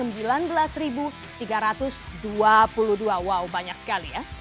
wow banyak sekali ya